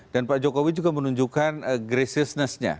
dan pak jokowi juga menunjukkan graciousness nya